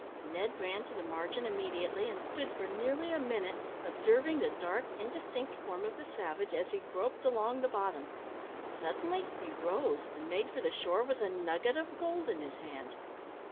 Ned ran to the margin immediately, and stood for nearly a minute observing the dark indistinct form of the savage as he groped along the bottom. Suddenly he rose, and made for the shore with a nugget of gold in his hand.